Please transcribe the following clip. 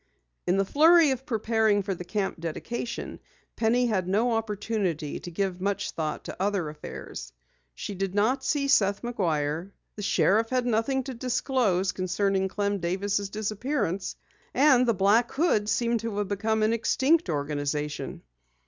In the flurry of preparing for the camp dedication, Penny had no opportunity to give much thought to other affairs. She did not see Seth McGuire, the sheriff had nothing to disclose concerning Clem Davis' disappearance, and the Black Hoods seemed to have become an extinct organization.